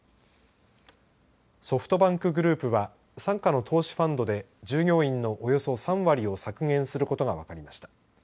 ソフトバンクグループは傘下の投資ファンドで従業員のおよそ３割を削減することが分かりました。